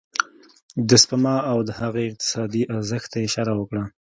د سپما او د هغه اقتصادي ارزښت ته يې اشاره وکړه.